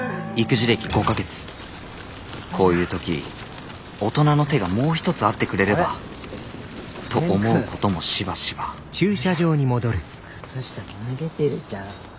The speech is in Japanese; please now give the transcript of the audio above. こういう時大人の手がもう一つあってくれればと思うこともしばしば靴下脱げてるじゃん。